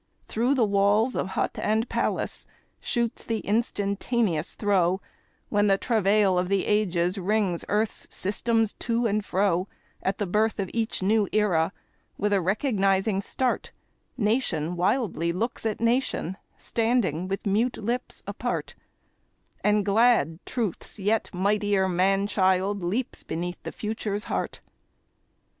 Through the walls of hut and palace shoots the instantaneous throe, When the travail of the Ages wrings earth's systems to and fro; At the birth of each new Era, with a recognizing start, Nation wildly looks at nation, standing with mute lips apart, And glad Truth's yet mightier man child leaps beneath the Future's heart.